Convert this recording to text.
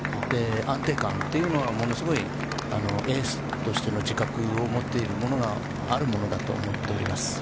安定感というのはものすごいエースとしての自覚を持っているものがあるものだと思っております。